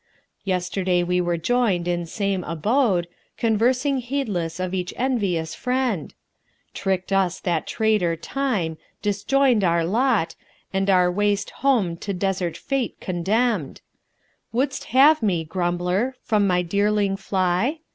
Yesterday we were joined in same abode; * Conversing heedless of each envious friend:[FN#192] Trickt us that traitor Time, disjoined our lot * And our waste home to desert fate condemned: Wouldst have me, Grumbler! from my dearling fly?